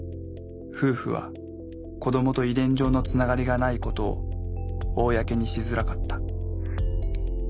夫婦は子どもと遺伝上のつながりがないことを公にしづらかった。